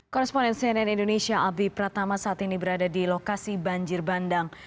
koresponen cnn indonesia albi pratama saat ini berada di lokasi banjir bandang